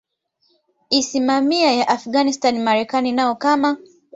isimamia ya Afghanistan Marekani nao kama